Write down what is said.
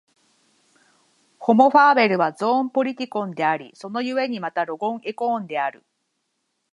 ホモ・ファーベルはゾーン・ポリティコンであり、その故にまたロゴン・エコーンである。